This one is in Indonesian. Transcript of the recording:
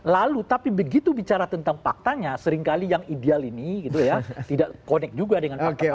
lalu tapi begitu bicara tentang faktanya seringkali yang ideal ini gitu ya tidak connect juga dengan fakta fakta